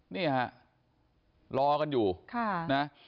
นี่ฮะรอกันอยู่นะ